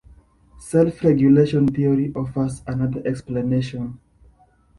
Self-regulation theory offers another explanation.